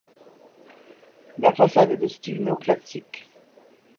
La façade est de style néoclassique.